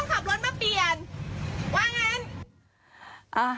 อย่างนี้ฉันก็บอกได้